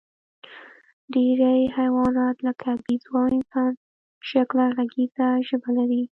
ډېری حیوانات، لکه بیزو او انسانشکله غږیزه ژبه لري.